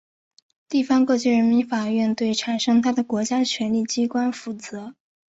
地方各级人民法院对产生它的国家权力机关负责。